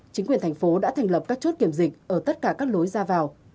chính quyền thành phố đã thành lập các chốt kiểm dịch ở tất cả các lối ra vào